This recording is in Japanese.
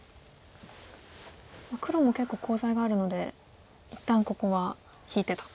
黒も結構コウ材があるので一旦ここは引いてと。